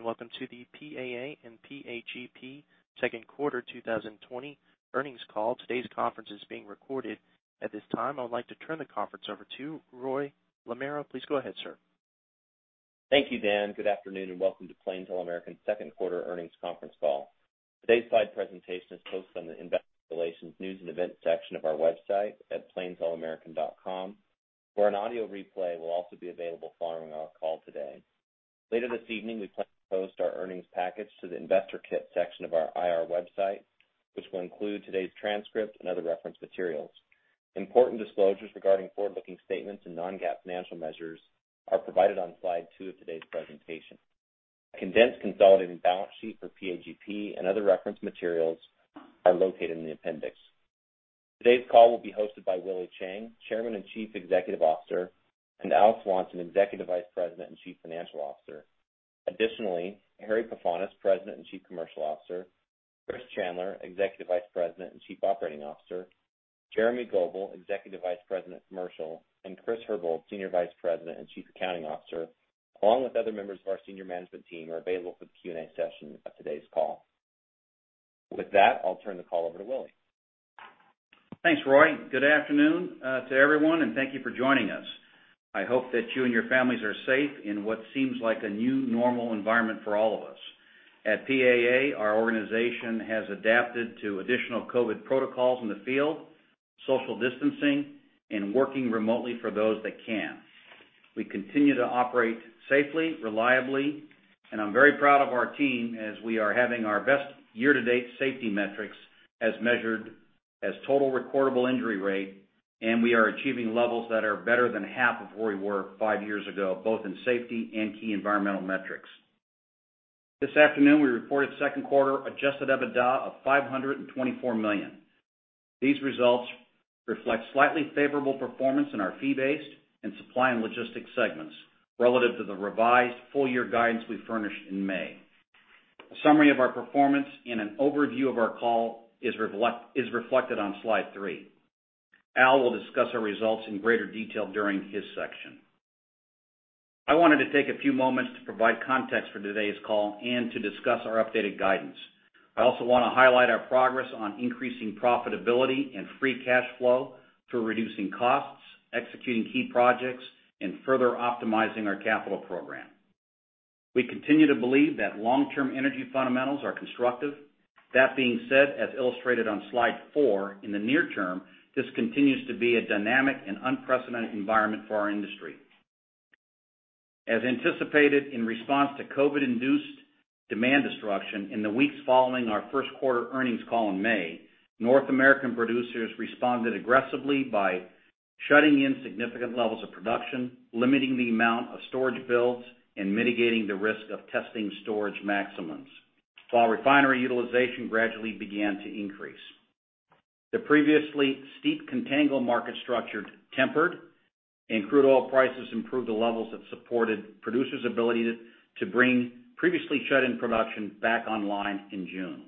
Good day, and welcome to the PAA and PAGP second quarter 2020 earnings call. Today's conference is being recorded. At this time, I would like to turn the conference over to Roy Lamoreaux. Please go ahead, sir. Thank you, Dan. Good afternoon, welcome to Plains All American second quarter earnings conference call. Today's slide presentation is posted on the Investor Relations News and Events section of our website at plainsallamerican.com, where an audio replay will also be available following our call today. Later this evening, we plan to post our earnings package to the Investor Kit section of our IR website, which will include today's transcript and other reference materials. Important disclosures regarding forward-looking statements and non-GAAP financial measures are provided on slide two of today's presentation. A condensed consolidated balance sheet for PAGP and other reference materials are located in the appendix. Today's call will be hosted by Willie Chiang, Chairman and Chief Executive Officer, and Al Swanson, an Executive Vice President and Chief Financial Officer. Additionally, Harry Pefanis, President and Chief Commercial Officer, Chris Chandler, Executive Vice President and Chief Operating Officer, Jeremy Goebel, Executive Vice President, Commercial, and Chris Herbold, Senior Vice President and Chief Accounting Officer, along with other members of our senior management team, are available for the Q&A session of today's call. With that, I'll turn the call over to Willie. Thanks, Roy. Good afternoon to everyone, and thank you for joining us. I hope that you and your families are safe in what seems like a new normal environment for all of us. At PAA, our organization has adapted to additional COVID protocols in the field, social distancing, and working remotely for those that can. We continue to operate safely, reliably, and I'm very proud of our team as we are having our best year-to-date safety metrics as measured as total recordable injury rate, and we are achieving levels that are better than half of where we were five years ago, both in safety and key environmental metrics. This afternoon, we reported second quarter adjusted EBITDA of $524 million. These results reflect slightly favorable performance in our fee-based and supply and logistics segments relative to the revised full-year guidance we furnished in May. A summary of our performance and an overview of our call is reflected on slide three. Al will discuss our results in greater detail during his section. I wanted to take a few moments to provide context for today's call and to discuss our updated guidance. I also want to highlight our progress on increasing profitability and free cash flow through reducing costs, executing key projects, and further optimizing our capital program. We continue to believe that long-term energy fundamentals are constructive. That being said, as illustrated on slide four, in the near term, this continues to be a dynamic and unprecedented environment for our industry. As anticipated in response to COVID-induced demand destruction in the weeks following our first quarter earnings call in May, North American producers responded aggressively by shutting in significant levels of production, limiting the amount of storage builds, and mitigating the risk of testing storage maximums while refinery utilization gradually began to increase. The previously steep contango market structure tempered and crude oil prices improved to levels that supported producers' ability to bring previously shut-in production back online in June.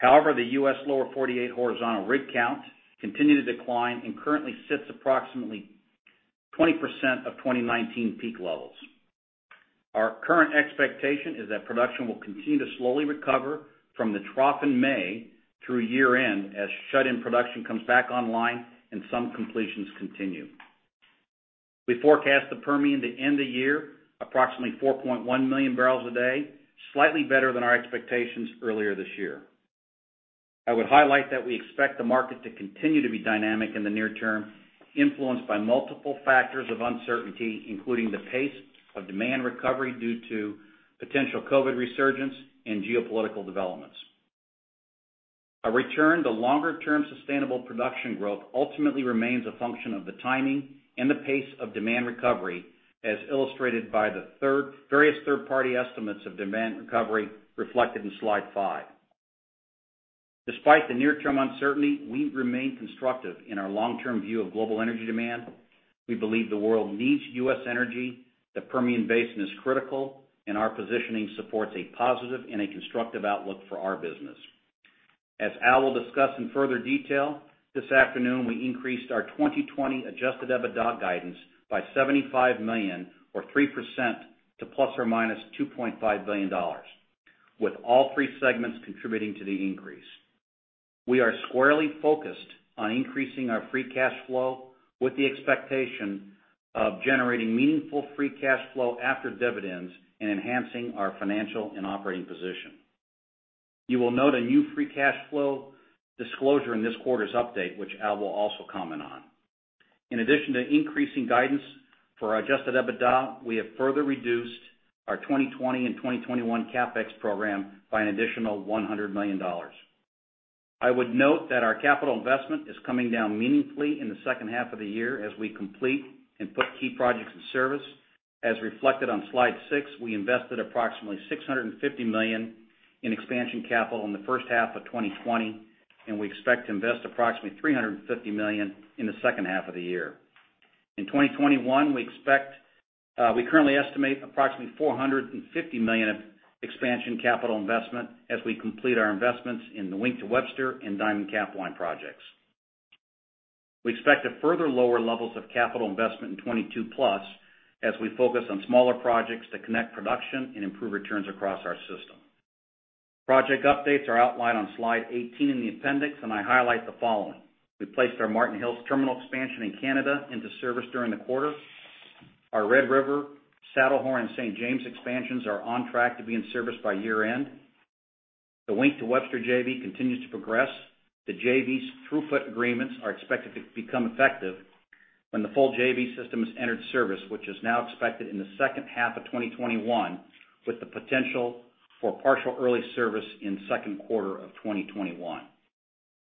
The U.S. lower 48 horizontal rig count continued to decline and currently sits approximately 20% of 2019 peak levels. Our current expectation is that production will continue to slowly recover from the trough in May through year-end as shut-in production comes back online and some completions continue. We forecast the Permian to end the year approximately 4.1 million barrels a day, slightly better than our expectations earlier this year. I would highlight that we expect the market to continue to be dynamic in the near term, influenced by multiple factors of uncertainty, including the pace of demand recovery due to potential COVID resurgence and geopolitical developments. A return to longer-term sustainable production growth ultimately remains a function of the timing and the pace of demand recovery, as illustrated by the various third-party estimates of demand recovery reflected in slide five. Despite the near-term uncertainty, we remain constructive in our long-term view of global energy demand. We believe the world needs U.S. energy, the Permian Basin is critical, and our positioning supports a positive and a constructive outlook for our business. As Al will discuss in further detail, this afternoon, we increased our 2020 adjusted EBITDA guidance by $75 million or 3% to ±$2.5 billion, with all three segments contributing to the increase. We are squarely focused on increasing our free cash flow with the expectation of generating meaningful free cash flow after dividends and enhancing our financial and operating position. You will note a new free cash flow disclosure in this quarter's update, which Al will also comment on. In addition to increasing guidance for our adjusted EBITDA, we have further reduced our 2020 and 2021 CapEx program by an additional $100 million. I would note that our capital investment is coming down meaningfully in the second half of the year as we complete and put key projects in service. As reflected on slide six, we invested approximately $650 million in expansion capital in the first half of 2020, and we expect to invest approximately $350 million in the second half of the year. In 2021, we currently estimate approximately $450 million of expansion capital investment as we complete our investments in the Wink to Webster and Diamond Pipeline and Capline Pipeline projects. We expect to further lower levels of capital investment in 2022 plus as we focus on smaller projects to connect production and improve returns across our system. Project updates are outlined on slide 18 in the appendix. I highlight the following. We placed our Marten Hills terminal expansion in Canada into service during the quarter. Our Red River, Saddlehorn, and St. James expansions are on track to be in service by year-end. The Wink to Webster JV continues to progress. The JV's throughput agreements are expected to become effective when the full JV system is entered service, which is now expected in the second half of 2021, with the potential for partial early service in second quarter of 2021.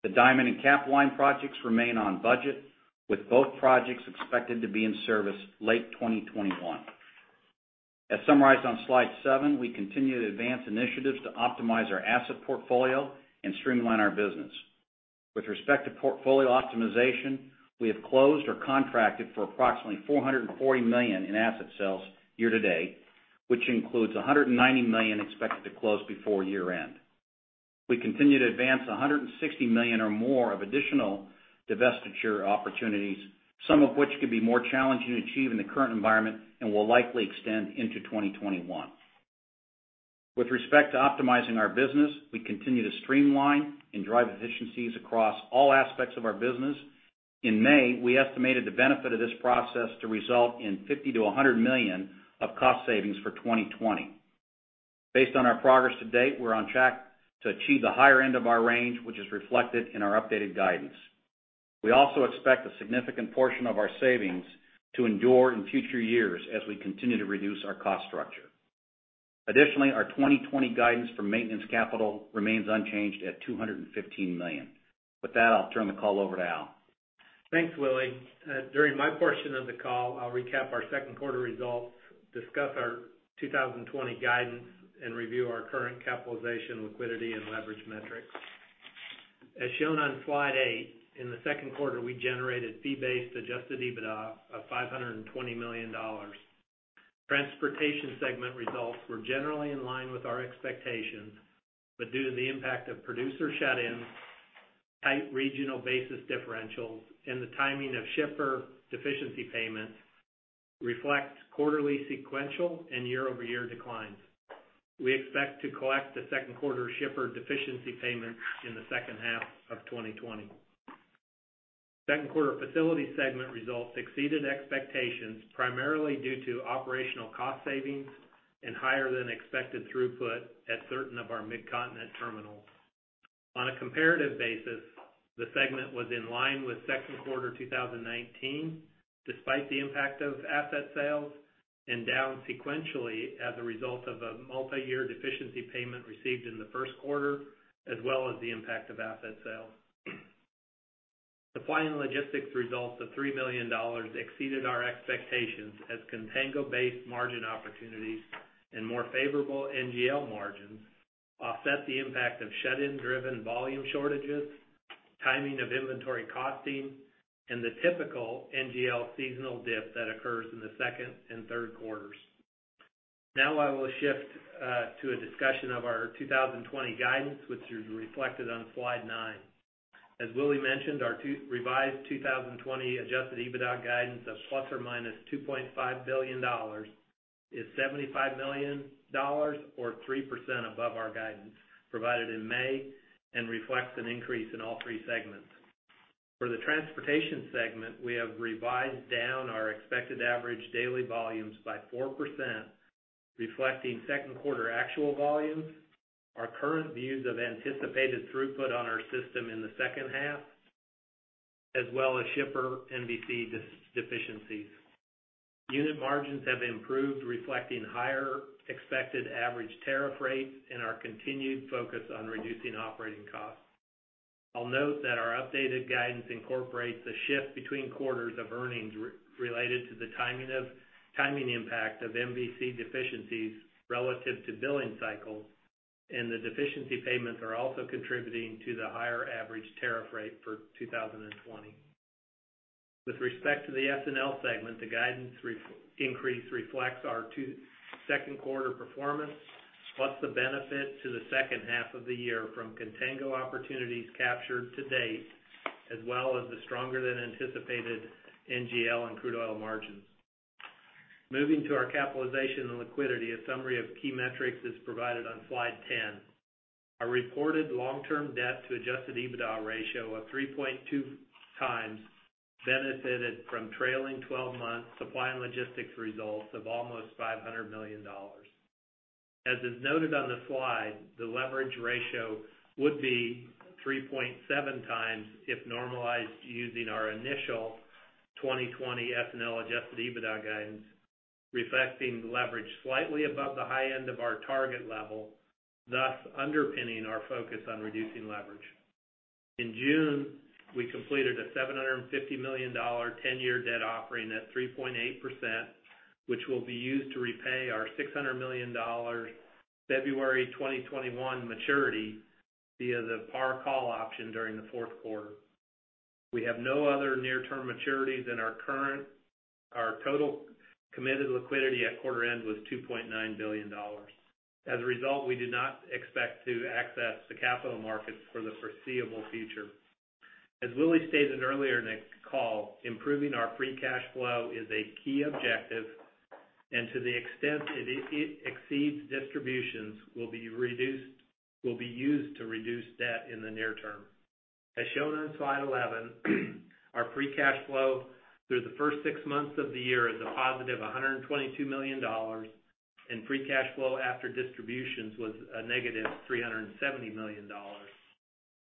The Diamond and Capline projects remain on budget, with both projects expected to be in service late 2021. As summarized on slide seven, we continue to advance initiatives to optimize our asset portfolio and streamline our business. With respect to portfolio optimization, we have closed or contracted for approximately $440 million in asset sales year to date, which includes $190 million expected to close before year-end. We continue to advance $160 million or more of additional divestiture opportunities, some of which could be more challenging to achieve in the current environment and will likely extend into 2021. With respect to optimizing our business, we continue to streamline and drive efficiencies across all aspects of our business. In May, we estimated the benefit of this process to result in $50 million-$100 million of cost savings for 2020. Based on our progress to date, we're on track to achieve the higher end of our range, which is reflected in our updated guidance. We also expect a significant portion of our savings to endure in future years as we continue to reduce our cost structure. Additionally, our 2020 guidance for maintenance capital remains unchanged at $215 million. With that, I'll turn the call over to Al Swanson. Thanks, Willie. During my portion of the call, I'll recap our second quarter results, discuss our 2020 guidance, and review our current capitalization, liquidity, and leverage metrics. As shown on slide eight, in the second quarter, we generated fee-based adjusted EBITDA of $520 million. Transportation segment results were generally in line with our expectations, but due to the impact of producer shut-ins, tight regional basis differentials, and the timing of shipper deficiency payments reflect quarterly sequential and year-over-year declines. We expect to collect the second quarter shipper deficiency payment in the second half of 2020. Second quarter facility segment results exceeded expectations, primarily due to operational cost savings and higher than expected throughput at certain of our Midcontinent terminals. On a comparative basis, the segment was in line with second quarter 2019, despite the impact of asset sales, and down sequentially as a result of a multiyear deficiency payment received in the first quarter, as well as the impact of asset sales. Supply and logistics results of $3 million exceeded our expectations as contango-based margin opportunities and more favorable NGL margins offset the impact of shut-in driven volume shortages, timing of inventory costing, and the typical NGL seasonal dip that occurs in the second and third quarters. Now I will shift to a discussion of our 2020 guidance, which is reflected on slide nine. As Willie mentioned, our revised 2020 adjusted EBITDA guidance of ±$2.5 billion is $75 million or 3% above our guidance provided in May and reflects an increase in all three segments. For the transportation segment, we have revised down our expected average daily volumes by 4%, reflecting second quarter actual volumes, our current views of anticipated throughput on our system in the second half, as well as shipper MVC deficiencies. Unit margins have improved, reflecting higher expected average tariff rates and our continued focus on reducing operating costs. I'll note that our updated guidance incorporates a shift between quarters of earnings related to the timing impact of MVC deficiencies relative to billing cycles, and the deficiency payments are also contributing to the higher average tariff rate for 2020. With respect to the S&L segment, the guidance increase reflects our second quarter performance, plus the benefit to the second half of the year from contango opportunities captured to date, as well as the stronger than anticipated NGL and crude oil margins. Moving to our capitalization and liquidity, a summary of key metrics is provided on slide 10. Our reported long-term debt to adjusted EBITDA ratio of 3.2 times benefited from trailing 12 months supply and logistics results of almost $500 million. As is noted on the slide, the leverage ratio would be 3.7 times if normalized using our initial 2020 S&L adjusted EBITDA guidance, reflecting leverage slightly above the high end of our target level, thus underpinning our focus on reducing leverage. In June, we completed a $750 million 10-year debt offering at 3.8%, which will be used to repay our $600 million February 2021 maturity via the par call option during the fourth quarter. We have no other near-term maturities in our current Our total committed liquidity at quarter end was $2.9 billion. We do not expect to access the capital markets for the foreseeable future. As Willie stated earlier in the call, improving our free cash flow is a key objective, and to the extent it exceeds distributions, will be used to reduce debt in the near term. As shown on slide 11, our free cash flow through the first six months of the year is a positive $122 million, and free cash flow after distributions was a negative $370 million.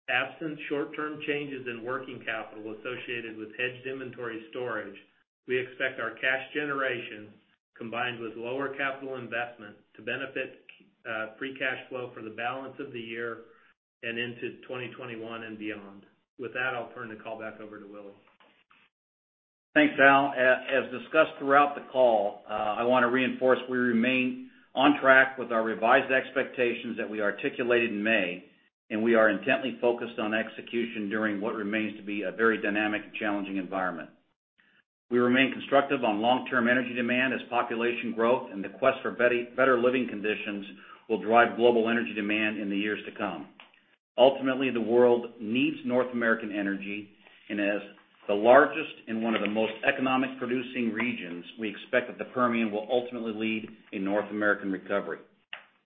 Absent short-term changes in working capital associated with hedged inventory storage, we expect our cash generation, combined with lower capital investment, to benefit free cash flow for the balance of the year and into 2021 and beyond. With that, I'll turn the call back over to Willie. Thanks, Al. As discussed throughout the call, I want to reinforce we remain on track with our revised expectations that we articulated in May, and we are intently focused on execution during what remains to be a very dynamic and challenging environment. We remain constructive on long-term energy demand as population growth and the quest for better living conditions will drive global energy demand in the years to come. Ultimately, the world needs North American energy, and as the largest and one of the most economic producing regions, we expect that the Permian will ultimately lead a North American recovery.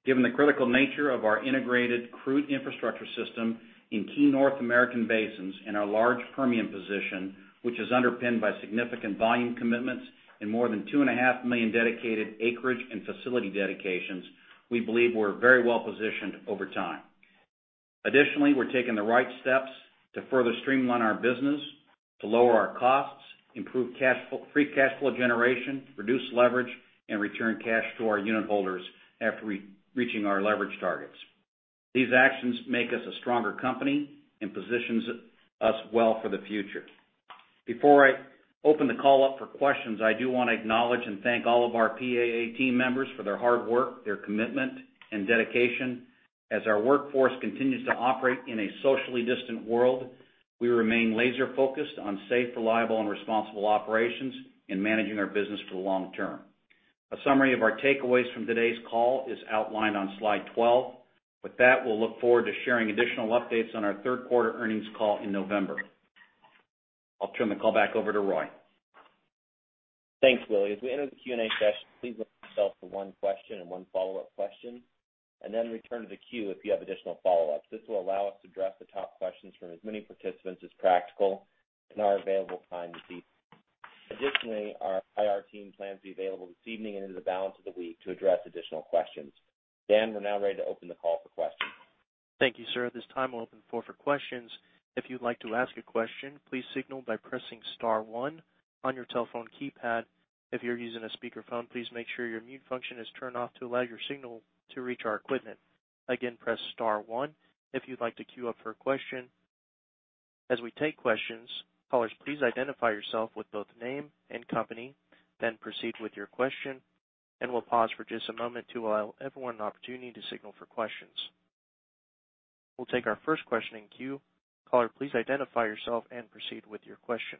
Given the critical nature of our integrated crude infrastructure system in key North American basins and our large Permian position, which is underpinned by significant volume commitments and more than two and a half million dedicated acreage and facility dedications, we believe we're very well-positioned over time. Additionally, we're taking the right steps to further streamline our business, to lower our costs, improve free cash flow generation, reduce leverage, and return cash to our unit holders after reaching our leverage targets. These actions make us a stronger company and positions us well for the future. Before I open the call up for questions, I do want to acknowledge and thank all of our PAA team members for their hard work, their commitment, and dedication. As our workforce continues to operate in a socially distant world, we remain laser-focused on safe, reliable, and responsible operations in managing our business for the long term. A summary of our takeaways from today's call is outlined on slide 12. With that, we'll look forward to sharing additional updates on our third quarter earnings call in November. I'll turn the call back over to Roy. Thanks, Willie. As we enter the Q&A session, please limit yourself to one question and one follow-up question, and then return to the queue if you have additional follow-ups. This will allow us to address the top questions from as many participants as practical in our available time this evening. Additionally, our IR team plans to be available this evening and into the balance of the week to address additional questions. Dan, we're now ready to open the call for questions. Thank you, sir. At this time, we'll open the floor for questions. If you'd like to ask a question, please signal by pressing star one on your telephone keypad. If you're using a speakerphone, please make sure your mute function is turned off to allow your signal to reach our equipment. Again, press star one if you'd like to queue up for a question. As we take questions, callers, please identify yourself with both name and company, then proceed with your question, and we'll pause for just a moment to allow everyone an opportunity to signal for questions. We'll take our first question in queue. Caller, please identify yourself and proceed with your question.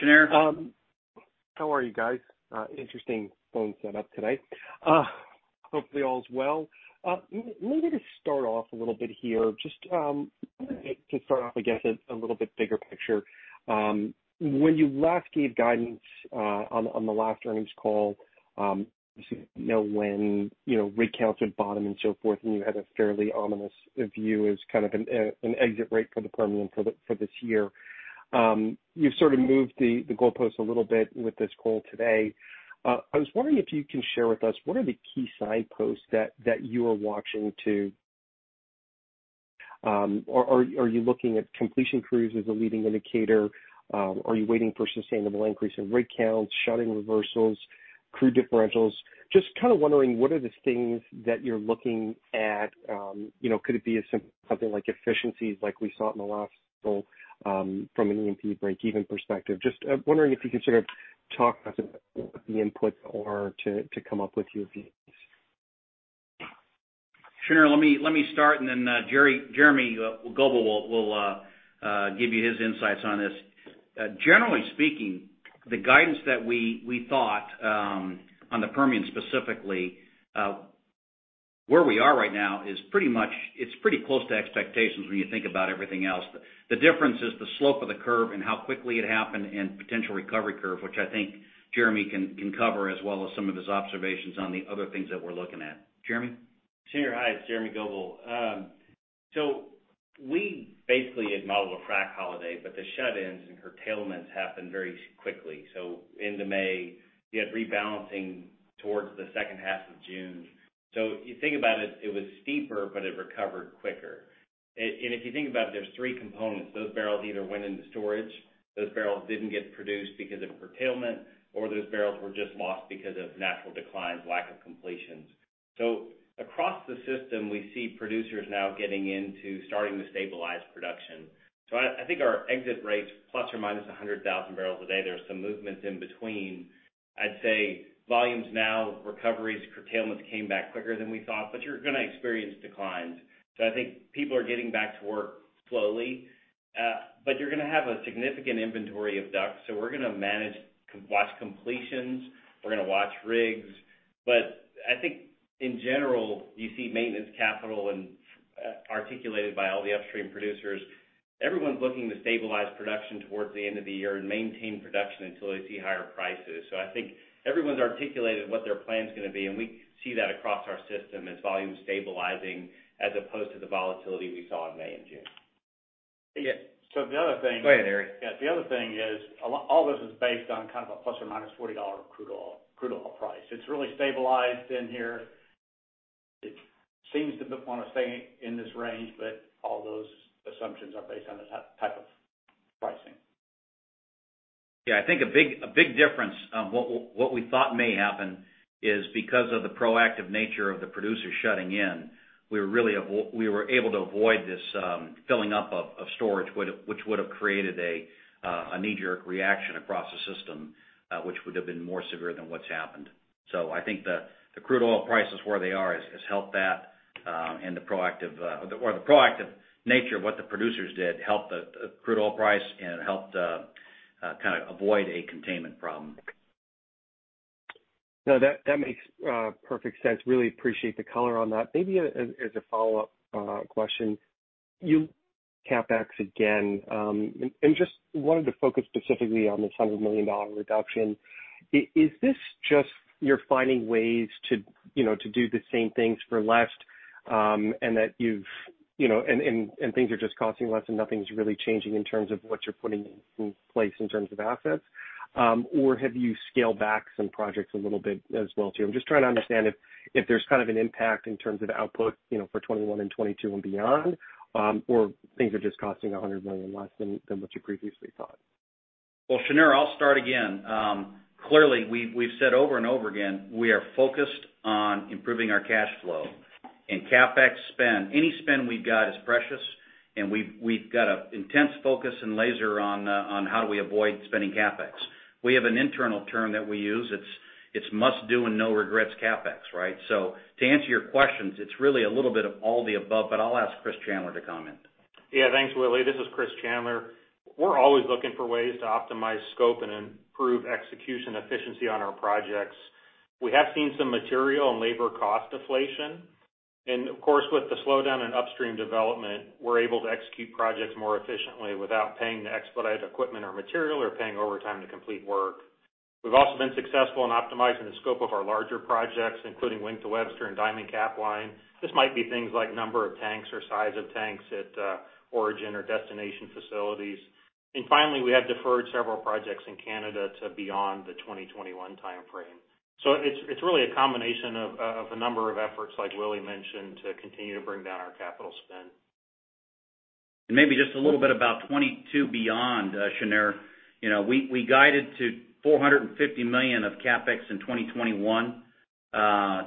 Shinner. How are you guys? Interesting phone set up tonight. Hopefully all is well. Maybe to start off a little bit here. Just to start off, I guess, a little bit bigger picture. When you last gave guidance on the last earnings call, when rig counts would bottom and so forth, you had a fairly ominous view as kind of an exit rate for the Permian for this year. You've sort of moved the goalpost a little bit with this call today. I was wondering if you can share with us what are the key signposts that you are watching? Are you looking at completion crews as a leading indicator? Are you waiting for a sustainable increase in rig counts, shutting reversals, crude differentials? Just kind of wondering, what are the things that you're looking at? Could it be as simple as something like efficiencies like we saw in the last call from an E&P break-even perspective? Just wondering if you could sort of talk about the inputs or to come up with your views. Shinner, let me start and then Jeremy Goebel will give you his insights on this. Generally speaking, the guidance that we thought on the Permian specifically, where we are right now is pretty close to expectations when you think about everything else. The difference is the slope of the curve and how quickly it happened and potential recovery curve, which I think Jeremy can cover as well as some of his observations on the other things that we're looking at. Jeremy? Shinner. Hi, it's Jeremy Goebel. We basically had modeled a frack holiday, but the shut-ins and curtailments happened very quickly. End of May, you had rebalancing towards the second half of June. If you think about it was steeper, but it recovered quicker. If you think about it, there's three components. Those barrels either went into storage, those barrels didn't get produced because of curtailment, or those barrels were just lost because of natural declines, lack of completions. Across the system, we see producers now getting into starting to stabilize production. I think our exit rates, ±100,000 barrels a day, there are some movements in between. I'd say volumes now, recoveries, curtailments came back quicker than we thought, but you're going to experience declines. I think people are getting back to work slowly. You're going to have a significant inventory of DUCs. We're going to manage, watch completions, we're going to watch rigs. I think in general, you see maintenance capital and articulated by all the upstream producers, everyone's looking to stabilize production towards the end of the year and maintain production until they see higher prices. I think everyone's articulated what their plan's going to be, and we see that across our system as volume stabilizing as opposed to the volatility we saw in May and June. Yeah. Go ahead, Harry. Yeah. The other thing is all this is based on kind of a plus or minus $40 crude oil price. It's really stabilized in here. It seems to want to stay in this range, but all those assumptions are based on this type of pricing. Yeah. I think a big difference, what we thought may happen is because of the proactive nature of the producer shutting in, we were able to avoid this filling up of storage which would've created a knee-jerk reaction across the system, which would've been more severe than what's happened. I think the crude oil prices where they are has helped that, or the proactive nature of what the producers did helped the crude oil price and helped kind of avoid a containment problem. No, that makes perfect sense. Really appreciate the color on that. Maybe as a follow-up question, your CapEx again, and just wanted to focus specifically on this $100 million reduction. Is this just you're finding ways to do the same things for less, and things are just costing less and nothing's really changing in terms of what you're putting in place in terms of assets? Or have you scaled back some projects a little bit as well, too? I'm just trying to understand if there's kind of an impact in terms of output for 2021 and 2022 and beyond, or things are just costing $100 million less than what you previously thought. Well, Channer, I'll start again. Clearly, we've said over and over again, we are focused on improving our cash flow and CapEx spend. Any spend we've got is precious, and we've got an intense focus and laser on how do we avoid spending CapEx. We have an internal term that we use, it's must do and no regrets CapEx, right? To answer your questions, it's really a little bit of all the above, but I'll ask Chris Chandler to comment. Yeah. Thanks, Willie. This is Chris Chandler. We're always looking for ways to optimize scope and improve execution efficiency on our projects. We have seen some material and labor cost deflation, of course, with the slowdown in upstream development, we're able to execute projects more efficiently without paying to expedite equipment or material or paying overtime to complete work. We've also been successful in optimizing the scope of our larger projects, including Wink to Webster and Diamond Cap Line. This might be things like number of tanks or size of tanks at origin or destination facilities. Finally, we have deferred several projects in Canada to beyond the 2021 timeframe. It's really a combination of a number of efforts, like Willie mentioned, to continue to bring down our capital spend. Maybe just a little bit about 2022 beyond, Channer. We guided to $450 million of CapEx in 2021.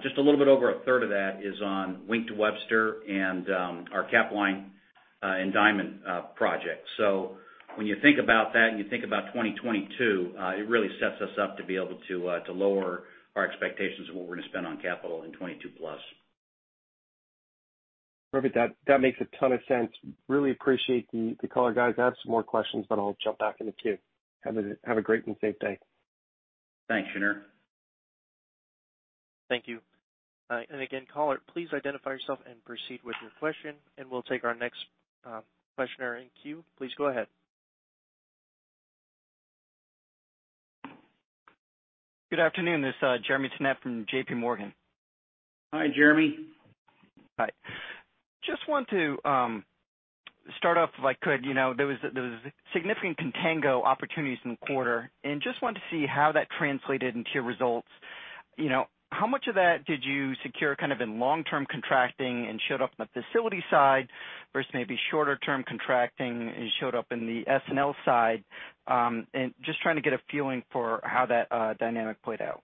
Just a little bit over a third of that is on Wink to Webster and our Capline and Diamond project. When you think about that and you think about 2022, it really sets us up to be able to lower our expectations of what we're going to spend on capital in 2022 plus. Perfect. That makes a ton of sense. Really appreciate the color, guys. I have some more questions, but I'll jump back in the queue. Have a great and safe day. Thanks, Channer. Thank you. Again, caller, please identify yourself and proceed with your question, and we'll take our next questioner in queue. Please go ahead. Good afternoon. This is Jeremy Tonet from JP Morgan. Hi, Jeremy. Hi. Just want to start off, if I could. There was significant contango opportunities in the quarter, and just wanted to see how that translated into your results. How much of that did you secure kind of in long-term contracting and showed up in the facility side versus maybe shorter term contracting and showed up in the S&L side? Just trying to get a feeling for how that dynamic played out.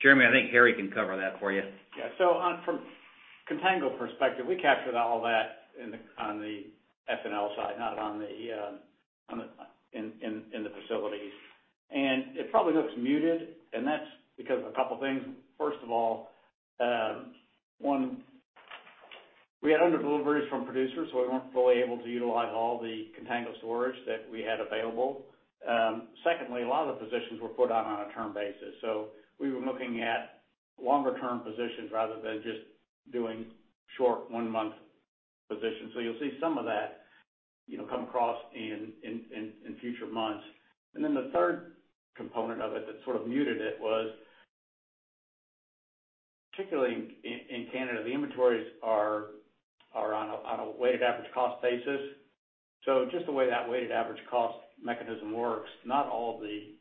Jeremy, I think Harry can cover that for you. Yeah. From a contango perspective, we captured all that on the S&L side, not in the facilities. It probably looks muted, and that's because of a couple things. First of all, one, we had under-deliveries from producers, so we weren't fully able to utilize all the contango storage that we had available. Secondly, a lot of the positions were put on a term basis. We were looking at longer term positions rather than just doing short one-month positions. The third component of it that sort of muted it was, particularly in Canada, the inventories are on a weighted average cost basis. Just the way that weighted average cost mechanism works, not all of the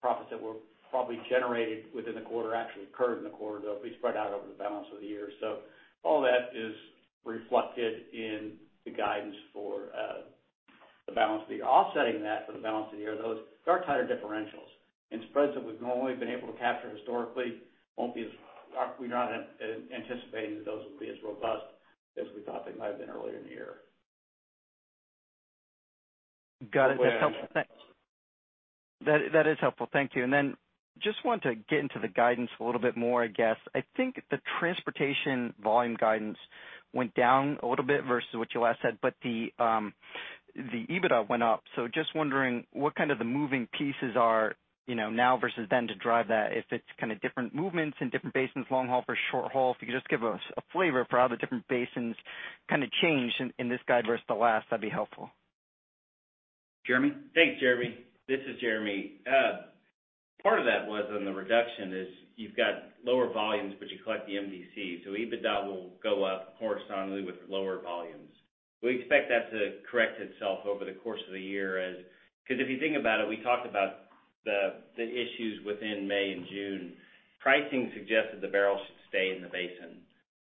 profits that were probably generated within the quarter actually occurred in the quarter, they'll be spread out over the balance of the year. All that is reflected in the guidance for the balance of the year. Offsetting that for the balance of the year, those dark tighter differentials and spreads that we've normally been able to capture historically, we're not anticipating that those will be as robust as we thought they might have been earlier in the year. Got it. That is helpful. Thank you. Just want to get into the guidance a little bit more, I guess. I think the transportation volume guidance went down a little bit versus what you last said, but the EBITDA went up. Just wondering what the moving pieces are now versus then to drive that, if it's different movements in different basins, long haul or short haul. If you could just give us a flavor for how the different basins changed in this guide versus the last, that'd be helpful. Jeremy? Thanks, Jeremy. This is Jeremy. Part of that was on the reduction is you've got lower volumes, but you collect the MVC, so EBITDA will go up horizontally with lower volumes. We expect that to correct itself over the course of the year as. If you think about it, we talked about the issues within May and June. Pricing suggested the barrel should stay in the basin.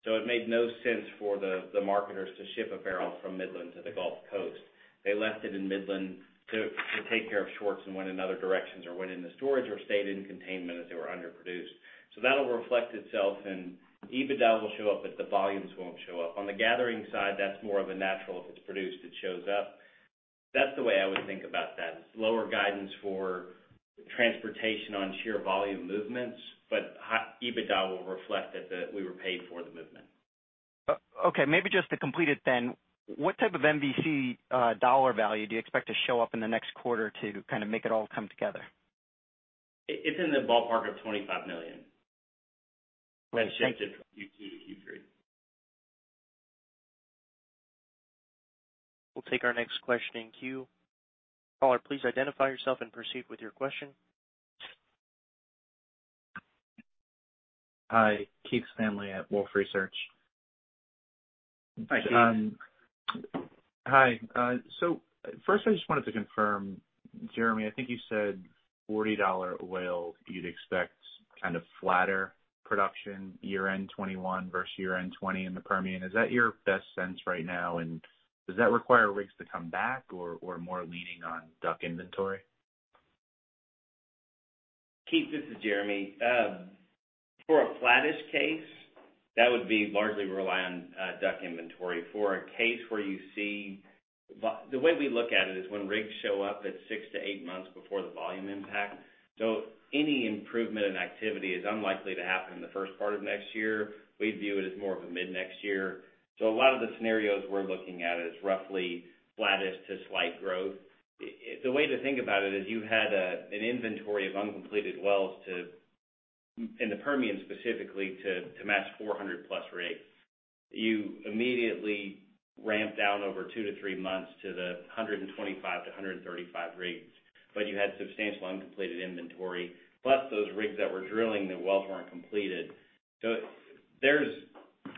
It made no sense for the marketers to ship a barrel from Midland to the Gulf Coast. They left it in Midland to take care of shorts and went in other directions or went into storage or stayed in containment as they were underproduced. That'll reflect itself and EBITDA will show up, but the volumes won't show up. On the gathering side, that's more of a natural. If it's produced, it shows up. That's the way I would think about that. It's lower guidance for transportation on sheer volume movements, but EBITDA will reflect that we were paid for the movement. Okay, maybe just to complete it then, what type of MVC dollar value do you expect to show up in the next quarter to kind of make it all come together? It's in the ballpark of $25 million when shifted from Q2 to Q3. We'll take our next question in queue. Caller, please identify yourself and proceed with your question. Hi, Keith Stanley at Wolfe Research. Hi, Keith. Hi. First I just wanted to confirm, Jeremy, I think you said $40 oil, you'd expect kind of flatter production year-end 2021 versus year-end 2020 in the Permian. Is that your best sense right now, and does that require rigs to come back or more leaning on DUC inventory? Keith, this is Jeremy. For a flattish case, that would be largely rely on DUC inventory. The way we look at it is when rigs show up, it's 6-8 months before the volume impact. Any improvement in activity is unlikely to happen in the first part of next year. We view it as more of a mid-next year. A lot of the scenarios we're looking at is roughly flattish to slight growth. The way to think about it is you had an inventory of uncompleted wells, in the Permian specifically, to match 400-plus rigs. You immediately ramped down over 2-3 months to the 125-135 rigs, but you had substantial uncompleted inventory, plus those rigs that were drilling, the wells weren't completed.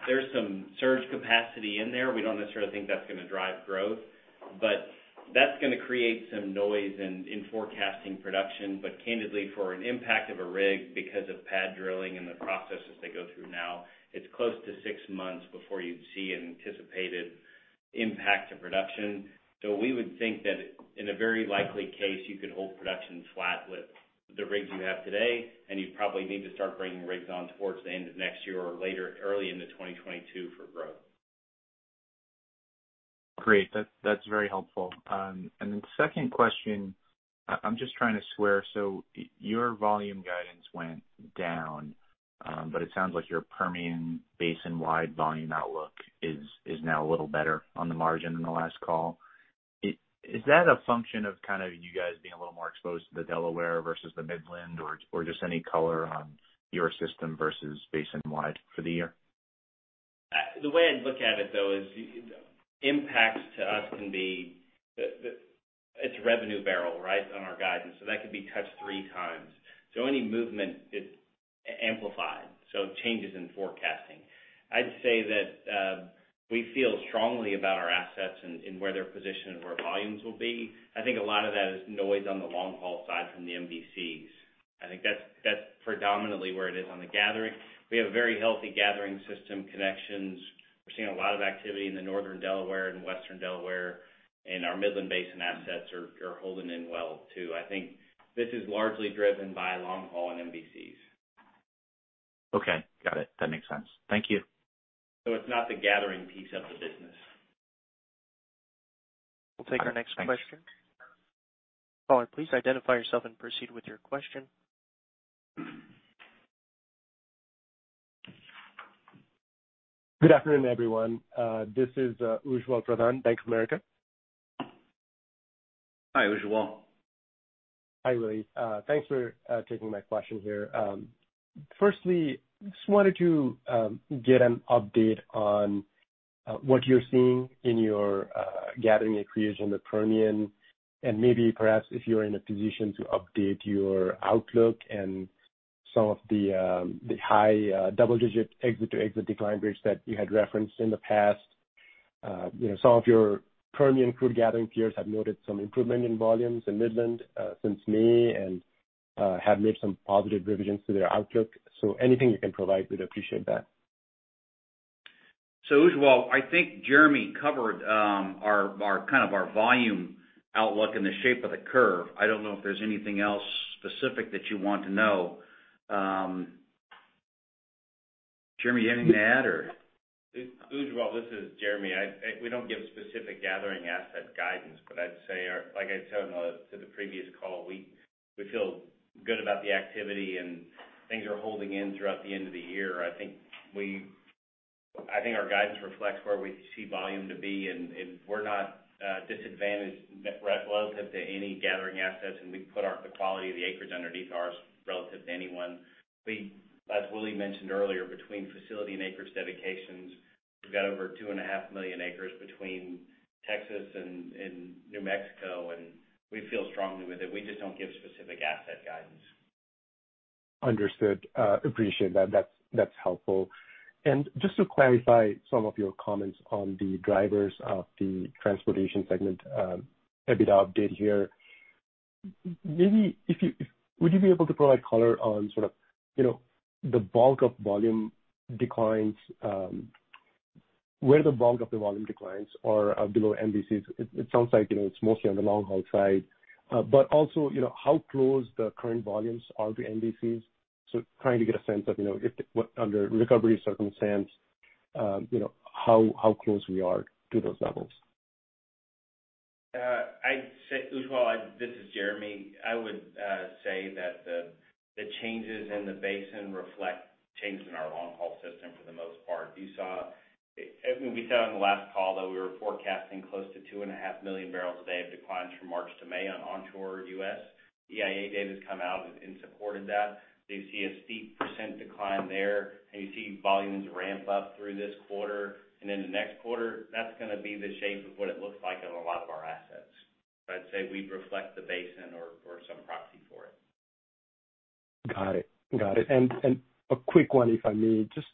There's some surge capacity in there. We don't necessarily think that's going to drive growth. That's going to create some noise in forecasting production. Candidly, for an impact of a rig because of pad drilling and the processes they go through now, it's close to six months before you'd see an anticipated impact to production. We would think that in a very likely case, you could hold production flat with the rigs you have today, and you'd probably need to start bringing rigs on towards the end of next year or later, early into 2022 for growth. Great. That's very helpful. Second question, I'm just trying to square, your volume guidance went down, but it sounds like your Permian basin-wide volume outlook is now a little better on the margin than the last call. Is that a function of you guys being a little more exposed to the Delaware versus the Midland, or just any color on your system versus basin-wide for the year? The way I'd look at it, though, is impacts to us can be It's a revenue barrel, right? On our guidance. That could be touched three times. Any movement is amplified. changes in forecasting. I'd say that we feel strongly about our assets and where they're positioned and where volumes will be. I think a lot of that is noise on the long-haul side from the MVCs. I think that's predominantly where it is on the gathering. We have a very healthy gathering system connections. We're seeing a lot of activity in the Northern Delaware and Western Delaware, and our Midland Basin assets are holding in well, too. I think this is largely driven by long haul and MVCs. Okay. Got it. That makes sense. Thank you. It's not the gathering piece of the business. Got it. Thanks. We'll take our next question. Caller, please identify yourself and proceed with your question. Good afternoon, everyone. This is Ujwal Pradhan, Bank of America. Hi, Ujwal. Hi, Willie. Thanks for taking my question here. Just wanted to get an update on what you're seeing in your gathering and creation in the Permian, and maybe perhaps if you're in a position to update your outlook and some of the high double-digit exit-to-exit decline rates that you had referenced in the past. Some of your Permian crude gathering peers have noted some improvement in volumes in Midland since May and have made some positive revisions to their outlook. Anything you can provide, we'd appreciate that. Ujwal, I think Jeremy covered our volume outlook and the shape of the curve. I don't know if there's anything else specific that you want to know. Jeremy, anything to add? Ujwal, this is Jeremy. We don't give specific gathering asset guidance, but I'd say, like I said on the previous call, we feel good about the activity, and things are holding in throughout the end of the year. I think our guidance reflects where we see volume to be, and we're not disadvantaged relative to any gathering assets, and we put the quality of the acreage underneath ours relative to anyone. As Willie mentioned earlier, between facility and acreage dedications, we've got over two and a half million acres between Texas and New Mexico, and we feel strongly with it. We just don't give specific asset guidance. Understood. Appreciate that. That's helpful. Just to clarify some of your comments on the drivers of the transportation segment EBITDA update here. Would you be able to provide color on where the bulk of volume declines are below MVCs? It sounds like it's mostly on the long-haul side. Also, how close the current volumes are to MVCs. Trying to get a sense of if under recovery circumstance, how close we are to those levels. Ujwal, this is Jeremy. I would say that the changes in the basin reflect change in our long-haul system for the most part. We saw in the last call that we were forecasting close to 2.5 million barrels a day of declines from March to May on Onshore U.S. EIA data's come out and supported that. You see a steep % decline there, and you see volumes ramp up through this quarter, and then the next quarter, that's going to be the shape of what it looks like on a lot of our assets. I'd say we reflect the basin or some proxy for it. Got it. A quick one, if I may, just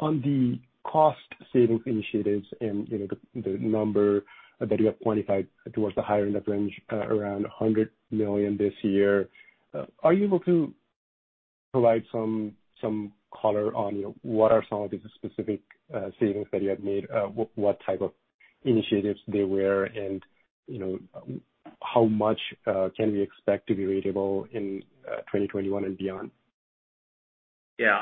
on the cost-savings initiatives and the number that you have quantified towards the higher end of range, around $100 million this year. Are you able to provide some color on what are some of the specific savings that you have made, what type of initiatives they were, and how much can we expect to be realizable in 2021 and beyond? Yeah.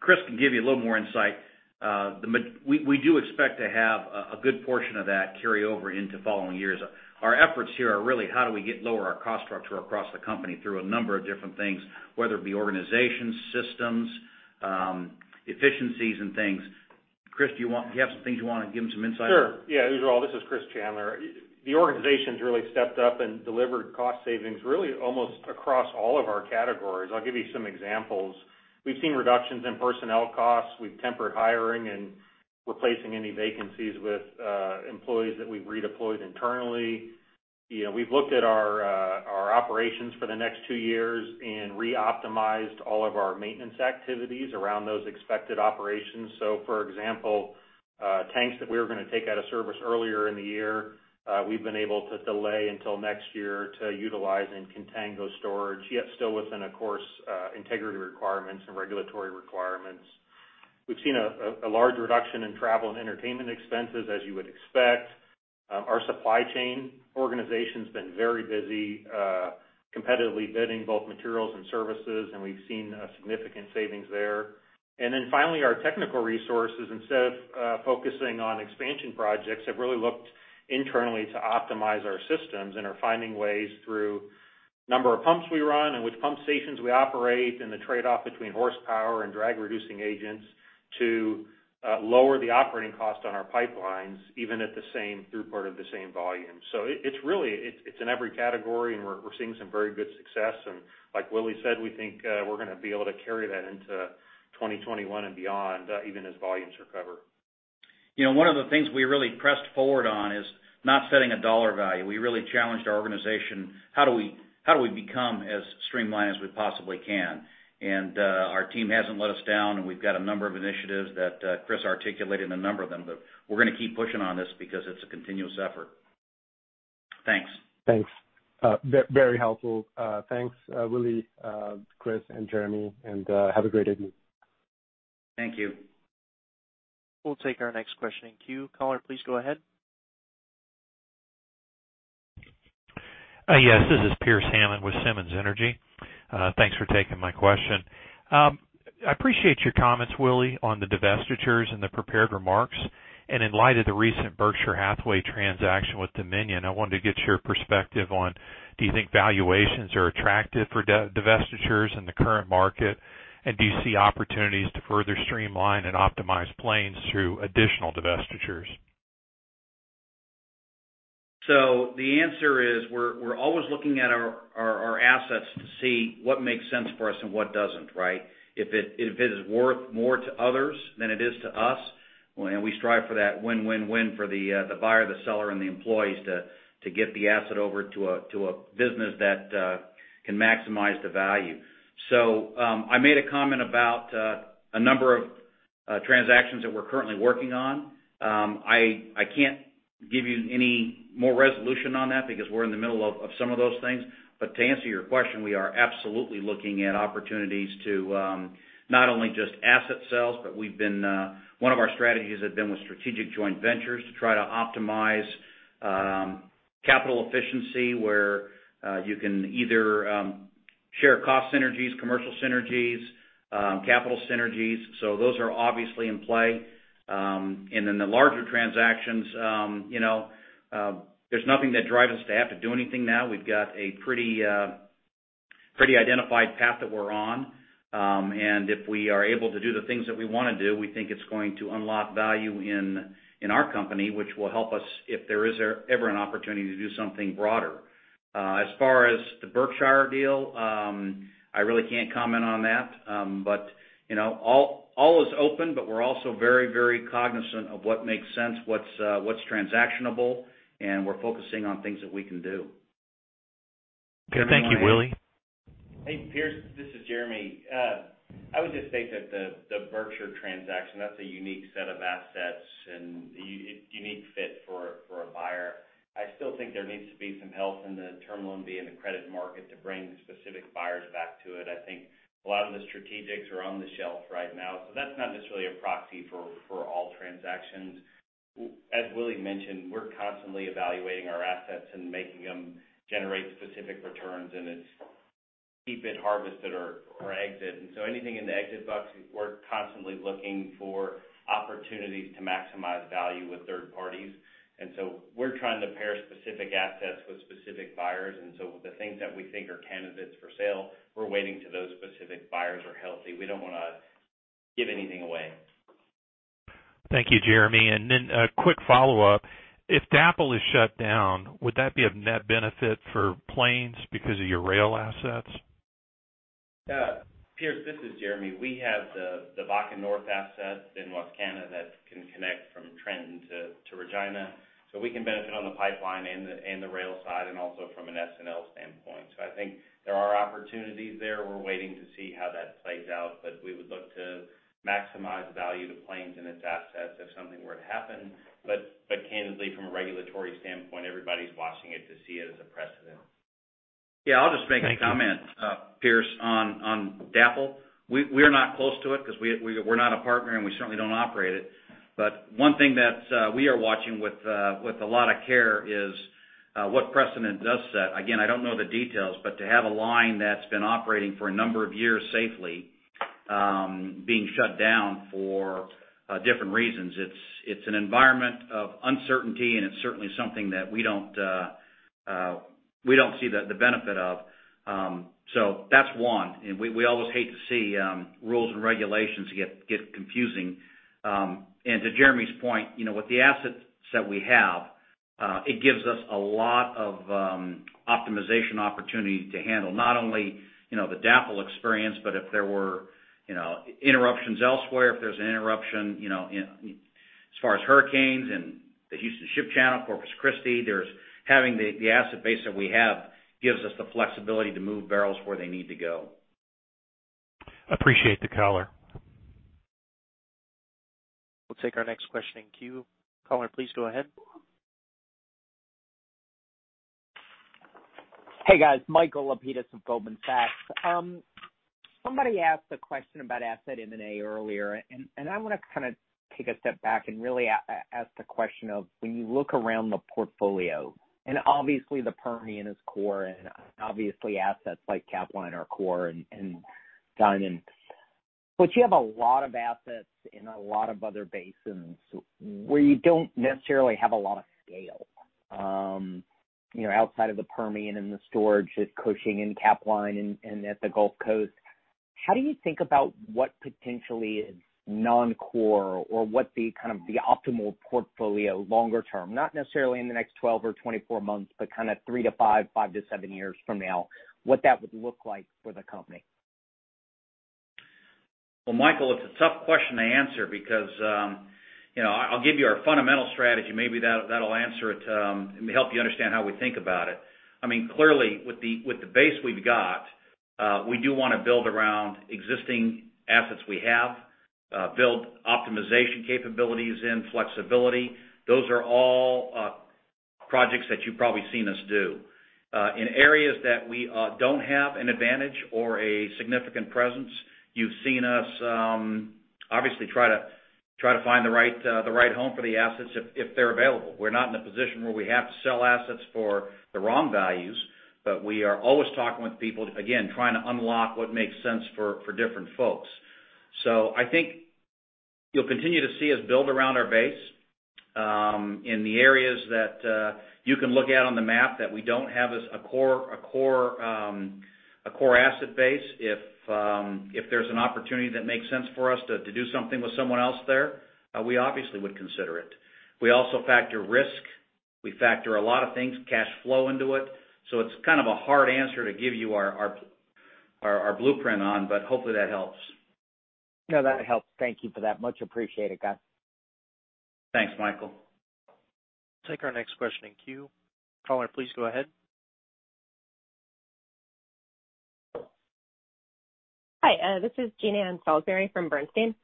Chris can give you a little more insight. We do expect to have a good portion of that carry over into following years. Our efforts here are really how do we lower our cost structure across the company through a number of different things, whether it be organization, systems, efficiencies and things. Chris, do you have some things you want to give them some insight on? Sure. Yeah, Ujwal, this is Chris Chandler. The organization's really stepped up and delivered cost savings really almost across all of our categories. I'll give you some examples. We've seen reductions in personnel costs. We've tempered hiring and replacing any vacancies with employees that we've redeployed internally. We've looked at our operations for the next two years and reoptimized all of our maintenance activities around those expected operations. For example, tanks that we were going to take out of service earlier in the year, we've been able to delay until next year to utilize in Contango storage, yet still within, of course, integrity requirements and regulatory requirements. We've seen a large reduction in travel and entertainment expenses, as you would expect. Our supply chain organization's been very busy competitively bidding both materials and services, and we've seen significant savings there. Finally, our technical resources, instead of focusing on expansion projects, have really looked internally to optimize our systems and are finding ways through number of pumps we run and which pump stations we operate and the trade-off between horsepower and drag-reducing agents to lower the operating cost on our pipelines, even at the same throughput of the same volume. It's in every category, and we're seeing some very good success. Like Willie said, we think we're going to be able to carry that into 2021 and beyond, even as volumes recover. One of the things we really pressed forward on is not setting a dollar value. We really challenged our organization, how do we become as streamlined as we possibly can? Our team hasn't let us down, we've got a number of initiatives that Chris articulated a number of them, we're going to keep pushing on this because it's a continuous effort. Thanks. Thanks. Very helpful. Thanks, Willie, Chris, and Jeremy, and have a great evening. Thank you. We'll take our next question in queue. Caller, please go ahead. Yes. This is Pierce Hammond with Simmons Energy. Thanks for taking my question. I appreciate your comments, Willie, on the divestitures and the prepared remarks. In light of the recent Berkshire Hathaway transaction with Dominion, I wanted to get your perspective on, do you think valuations are attractive for divestitures in the current market? Do you see opportunities to further streamline and optimize Plains through additional divestitures? The answer is, we're always looking at our assets to see what makes sense for us and what doesn't, right? If it is worth more to others than it is to us, and we strive for that win-win-win for the buyer, the seller, and the employees to get the asset over to a business that can maximize the value. I made a comment about a number of transactions that we're currently working on. I can't give you any more resolution on that because we're in the middle of some of those things. To answer your question, we are absolutely looking at opportunities to not only just asset sales, but one of our strategies has been with strategic joint ventures to try to optimize Capital efficiency, where you can either share cost synergies, commercial synergies, capital synergies. Those are obviously in play. The larger transactions, there's nothing that drives us to have to do anything now. We've got a pretty identified path that we're on. If we are able to do the things that we want to do, we think it's going to unlock value in our company, which will help us if there is ever an opportunity to do something broader. As far as the Berkshire deal, I really can't comment on that. All is open, but we're also very cognizant of what makes sense, what's transactionable, and we're focusing on things that we can do. Okay. Thank you, Willie. Hey, Pierce, this is Jeremy. I would just state that the Berkshire transaction, that's a unique set of assets and a unique fit for a buyer. I still think there needs to be some health in the term loan B and the credit market to bring specific buyers back to it. I think a lot of the strategics are on the shelf right now. That's not necessarily a proxy for all transactions. As Willie mentioned, we're constantly evaluating our assets and making them generate specific returns, and it's keep it, harvest it, or exit. Anything in the exit bucket, we're constantly looking for opportunities to maximize value with third parties. We're trying to pair specific assets with specific buyers. The things that we think are candidates for sale, we're waiting till those specific buyers are healthy. We don't want to give anything away. Thank you, Jeremy. A quick follow-up. If DAPL is shut down, would that be of net benefit for Plains because of your rail assets? Pierce, this is Jeremy. We have the Bakken North asset in Western Canada that can connect from Trenton to Regina, so we can benefit on the pipeline and the rail side, and also from an S&L standpoint. I think there are opportunities there. We're waiting to see how that plays out. We would look to maximize value to Plains and its assets if something were to happen. Candidly, from a regulatory standpoint, everybody's watching it to see it as a precedent. Yeah, I'll just make a comment, Pierce, on DAPL. We're not close to it because we're not a partner, and we certainly don't operate it. One thing that we are watching with a lot of care is what precedent does set. Again, I don't know the details, but to have a line that's been operating for a number of years safely, being shut down for different reasons, it's an environment of uncertainty, and it's certainly something that we don't see the benefit of. That's one. We always hate to see rules and regulations get confusing. To Jeremy's point, with the asset set we have, it gives us a lot of optimization opportunity to handle not only the DAPL experience, but if there were interruptions elsewhere, if there's an interruption as far as hurricanes in the Houston Ship Channel, Corpus Christi, having the asset base that we have gives us the flexibility to move barrels where they need to go. Appreciate the color. We'll take our next question in queue. Caller, please go ahead. Hey, guys. Michael Lapides with Goldman Sachs. Somebody asked a question about asset M&A earlier, and I want to kind of take a step back and really ask the question of, when you look around the portfolio, and obviously the Permian is core and obviously assets like Capline are core and Diamond. You have a lot of assets in a lot of other basins where you don't necessarily have a lot of scale. Outside of the Permian and the storage at Cushing and Capline and at the Gulf Coast, how do you think about what potentially is non-core or what the kind of the optimal portfolio longer term, not necessarily in the next 12 or 24 months, but kind of three to five to seven years from now, what that would look like for the company? Michael, it's a tough question to answer because I'll give you our fundamental strategy. Maybe that'll answer it and help you understand how we think about it. Clearly, with the base we've got, we do want to build around existing assets we have, build optimization capabilities in, flexibility. Those are all projects that you've probably seen us do. In areas that we don't have an advantage or a significant presence, you've seen us obviously try to find the right home for the assets if they're available. We're not in a position where we have to sell assets for the wrong values, but we are always talking with people, again, trying to unlock what makes sense for different folks. I think you'll continue to see us build around our base in the areas that you can look at on the map that we don't have a core asset base. If there's an opportunity that makes sense for us to do something with someone else there, we obviously would consider it. We also factor risk. We factor a lot of things, cash flow into it. It's kind of a hard answer to give you our blueprint on, but hopefully that helps. No, that helps. Thank you for that. Much appreciated, guys. Thanks, Michael. Take our next question in queue. Caller, please go ahead. Hi, this is Jean Ann Salisbury from Bernstein.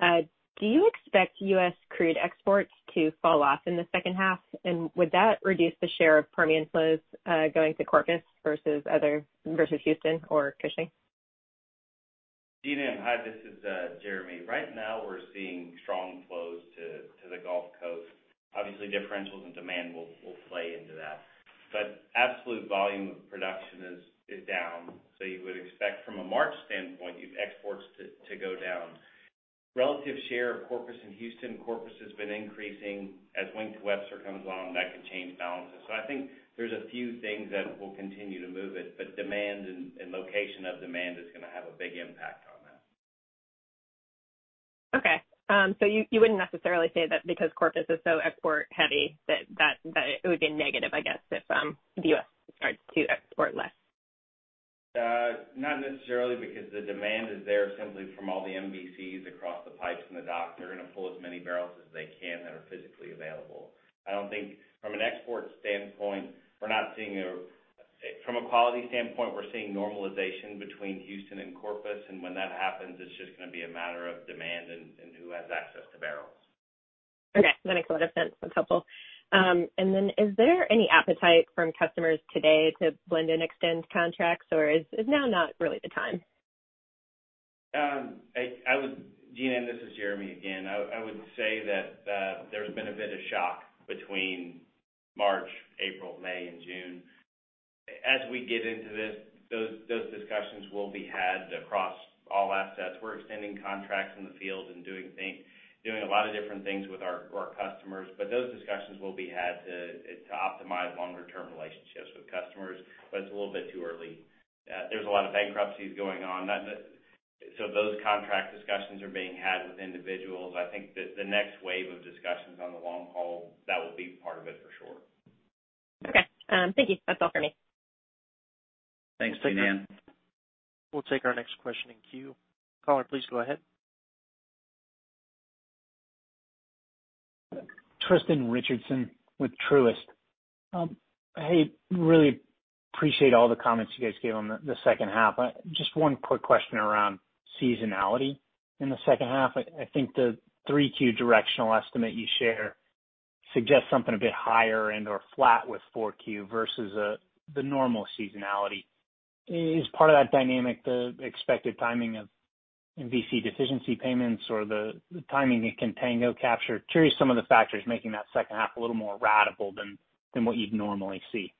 Do you expect U.S. crude exports to fall off in the second half? Would that reduce the share of Permian flows going to Corpus versus Houston or Cushing? Jean Ann, hi, this is Jeremy. Right now we're seeing strong flows to the Gulf Coast. Obviously, differentials and demand will play into that. Absolute volume of production is down, you would expect from a March standpoint, exports to go down. Relative share of Corpus and Houston, Corpus has been increasing. As Wink to Webster comes along, that could change balances. I think there's a few things that will continue to move it, demand and location of demand is going to have a big impact on that. Okay. You wouldn't necessarily say that because Corpus is so export heavy that it would be a negative, I guess, if the U.S. starts to export less? Not necessarily, because the demand is there simply from all the MVCs across the pipes and the docks. They're going to pull as many barrels as they can that are physically available. I don't think from an export standpoint, From a quality standpoint, we're seeing normalization between Houston and Corpus, and when that happens, it's just going to be a matter of demand and who has access to barrels. Okay. That makes a lot of sense. That's helpful. Is there any appetite from customers today to blend and extend contracts, or is now not really the time? Jean Ann, this is Jeremy again. I would say that there's been a bit of shock between March, April, May, and June. As we get into this, those discussions will be had across all assets. We're extending contracts in the field and doing a lot of different things with our customers, but those discussions will be had to optimize longer-term relationships with customers, but it's a little bit too early. There's a lot of bankruptcies going on. Those contract discussions are being had with individuals. I think that the next wave of discussions on the long haul, that will be part of it for sure. Okay. Thank you. That's all for me. Thanks, Jean Ann. We'll take our next question in queue. Caller, please go ahead. Tristan Richardson with Truist. Hey, really appreciate all the comments you guys gave on the second half. Just one quick question around seasonality in the second half. I think the 3Q directional estimate you share suggests something a bit higher and/or flat with 4Q versus the normal seasonality. Is part of that dynamic the expected timing of MVC deficiency payments or the timing in contango capture? Curious some of the factors making that second half a little more radical than what you'd normally see.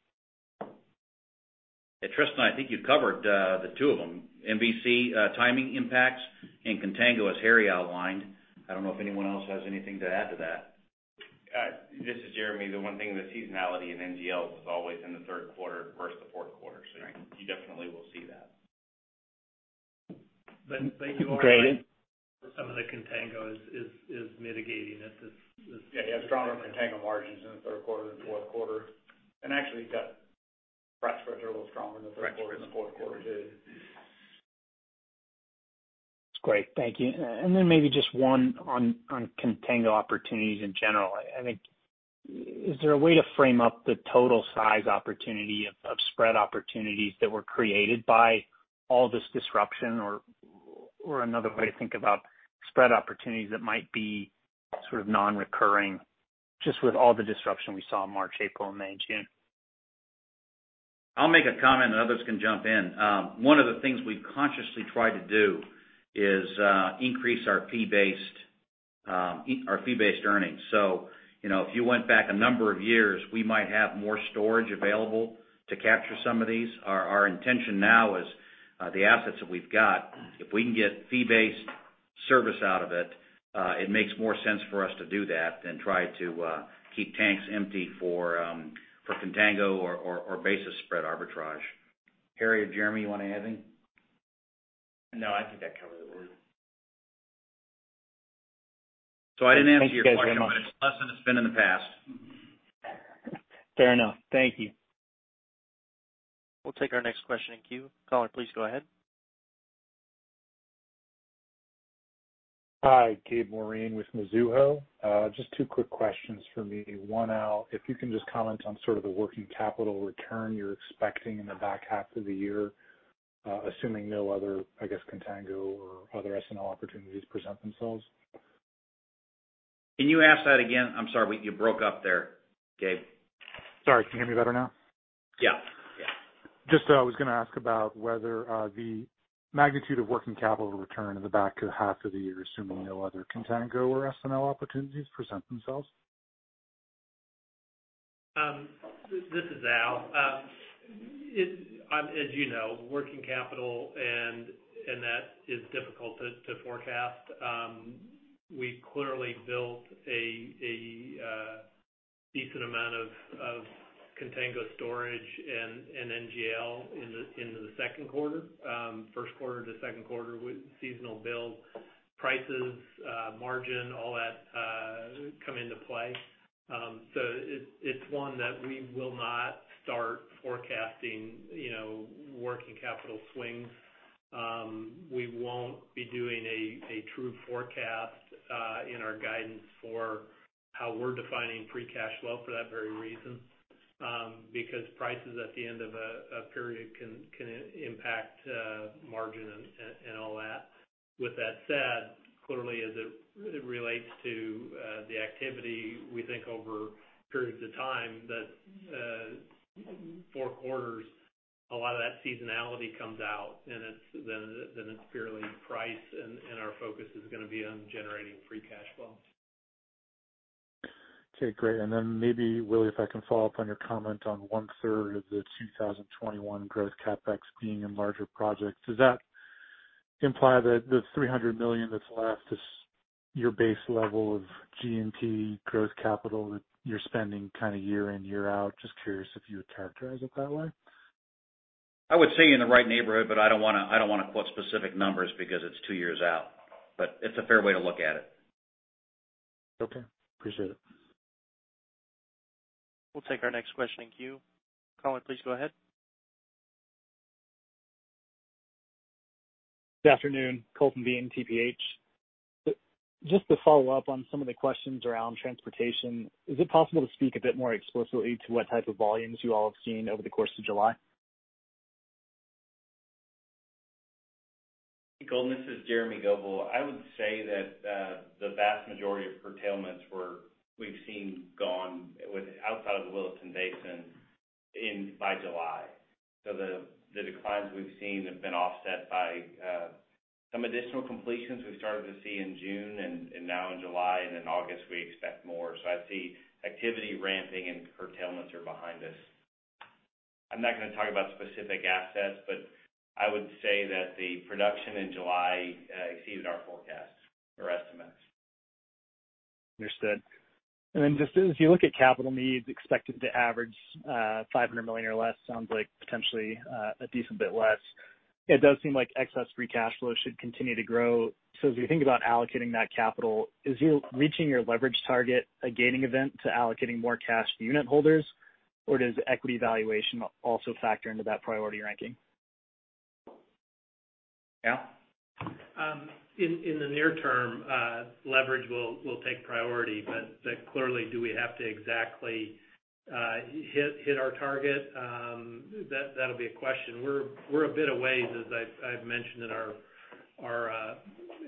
Hey, Tristan, I think you've covered the two of them, MVC timing impacts and contango as Harry outlined. I don't know if anyone else has anything to add to that. This is Jeremy. The one thing, the seasonality in NGLs is always in the third quarter versus the fourth quarter. Right. You definitely will see that. But you are- Great some of the contango is mitigating it. Yeah. You have stronger contango margins in the third quarter than the fourth quarter. Actually, you got freight spreads are a little stronger in the third quarter. freight spreads than the fourth quarter too. That's great. Thank you. Then maybe just one on contango opportunities in general. Is there a way to frame up the total size opportunity of spread opportunities that were created by all this disruption? Another way to think about spread opportunities that might be sort of non-recurring, just with all the disruption we saw in March, April, May, and June? I'll make a comment, and others can jump in. One of the things we consciously try to do is increase our fee-based earnings. If you went back a number of years, we might have more storage available to capture some of these. Our intention now is, the assets that we've got, if we can get fee-based service out of it makes more sense for us to do that than try to keep tanks empty for contango or basis spread arbitrage. Harry or Jeremy, you want to add anything? I think that covered it. Thank you guys very much. I didn't answer your question, but it's less than it's been in the past. Fair enough. Thank you. We'll take our next question in queue. Caller, please go ahead. Hi, Gabe Moreen with Mizuho. Just two quick questions from me. One, Al, if you can just comment on sort of the working capital return you're expecting in the back half of the year, assuming no other, I guess, contango or other S&L opportunities present themselves. Can you ask that again? I'm sorry, but you broke up there, Gabe. Sorry, can you hear me better now? Yeah. Just I was going to ask about whether the magnitude of working capital return in the back half of the year, assuming no other contango or S&L opportunities present themselves? This is Al. As you know, working capital and that is difficult to forecast. We clearly built a decent amount of contango storage and NGL into the second quarter. First quarter to second quarter with seasonal build prices, margin, all that come into play. It's one that we will not start forecasting working capital swings. We won't be doing a true forecast in our guidance for how we're defining free cash flow for that very reason. Prices at the end of a period can impact margin and all that. With that said, clearly as it relates to the activity, we think over periods of time that four quarters, a lot of that seasonality comes out, and then it's fairly priced, and our focus is going to be on generating free cash flow. Okay, great. Maybe, Willie, if I can follow up on your comment on one-third of the 2021 growth CapEx being in larger projects. Does that imply that the $300 million that's left is your base level of G&P growth capital that you're spending kind of year in, year out? Just curious if you would characterize it that way. I would say you're in the right neighborhood, but I don't want to quote specific numbers because it's two years out. It's a fair way to look at it. Okay. Appreciate it. We'll take our next question in queue. Caller, please go ahead. Good afternoon. Colton Bean, TPH. Just to follow up on some of the questions around transportation, is it possible to speak a bit more explicitly to what type of volumes you all have seen over the course of July? Colton, this is Jeremy Goebel. I would say that the vast majority of curtailments we've seen gone outside of the Williston Basin by July. The declines we've seen have been offset by some additional completions we've started to see in June and now in July. In August, we expect more. I see activity ramping and curtailments are behind us. I'm not going to talk about specific assets, but I would say that the production in July exceeded our forecast or estimates. Understood. Just as you look at capital needs expected to average $500 million or less, sounds like potentially a decent bit less. It does seem like excess free cash flow should continue to grow. As we think about allocating that capital, is you reaching your leverage target a gaining event to allocating more cash to unit holders, or does equity valuation also factor into that priority ranking? Al? In the near term, leverage will take priority. Clearly, do we have to exactly hit our target? That'll be a question. We're a bit of ways, as I've mentioned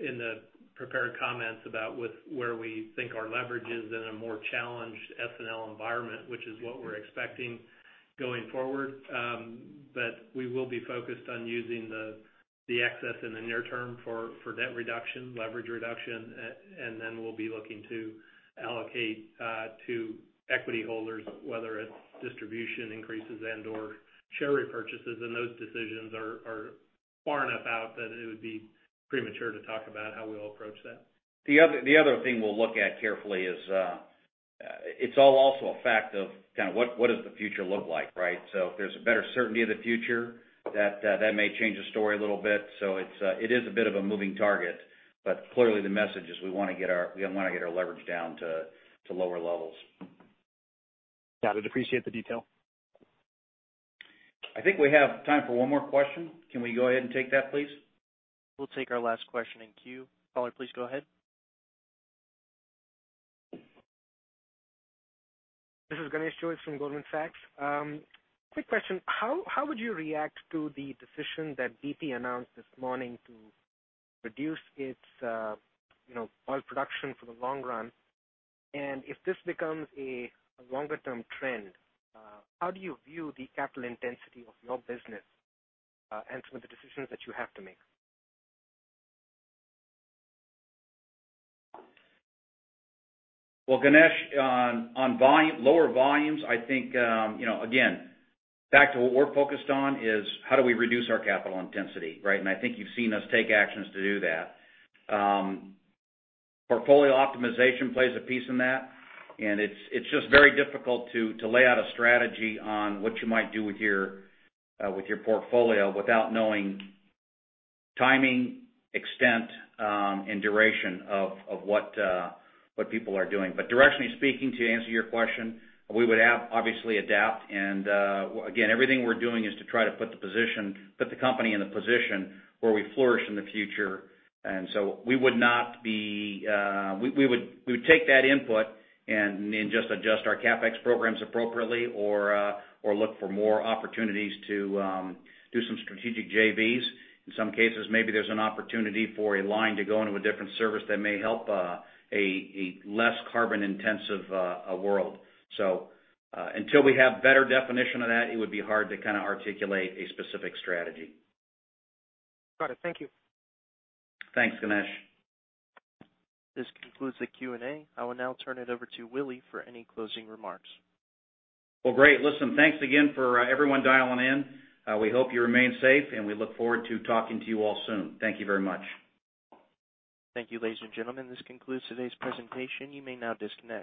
in the prepared comments about where we think our leverage is in a more challenged S&L environment, which is what we're expecting going forward. We will be focused on using the excess in the near term for debt reduction, leverage reduction, and then we'll be looking to allocate to equity holders, whether it's distribution increases and/or share repurchases. Those decisions are far enough out that it would be premature to talk about how we'll approach that. The other thing we'll look at carefully is, it's all also a fact of kind of what does the future look like, right? If there's a better certainty of the future, that may change the story a little bit. It is a bit of a moving target, but clearly the message is we want to get our leverage down to lower levels. Got it. Appreciate the detail. I think we have time for one more question. Can we go ahead and take that, please? We'll take our last question in queue. Caller, please go ahead. This is Ganesh Jois from Goldman Sachs. Quick question. How would you react to the decision that BP announced this morning to reduce its oil production for the long run? If this becomes a longer-term trend, how do you view the capital intensity of your business and some of the decisions that you have to make? Ganesh, on lower volumes, I think again, back to what we're focused on is how do we reduce our capital intensity, right? I think you've seen us take actions to do that. Portfolio optimization plays a piece in that, and it's just very difficult to lay out a strategy on what you might do with your portfolio without knowing timing, extent, and duration of what people are doing. Directionally speaking, to answer your question, we would obviously adapt. Again, everything we're doing is to try to put the company in the position where we flourish in the future. So we would take that input and just adjust our CapEx programs appropriately or look for more opportunities to do some strategic JVs. In some cases, maybe there's an opportunity for a line to go into a different service that may help a less carbon-intensive world. Until we have better definition of that, it would be hard to kind of articulate a specific strategy. Got it. Thank you. Thanks, Ganesh. This concludes the Q&A. I will now turn it over to Willie for any closing remarks. Well, great. Listen, thanks again for everyone dialing in. We hope you remain safe, and we look forward to talking to you all soon. Thank you very much. Thank you, ladies and gentlemen. This concludes today's presentation. You may now disconnect.